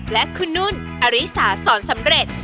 และคุณนุ่นอริสาสอนสำเร็จ